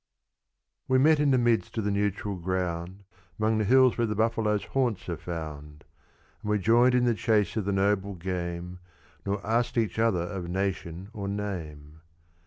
We met in the midst of the neutral ground, 'Mong the hills where the buffalo's haunts are found; And we joined in the chase of the noble game, Nor asked each other of nation or name.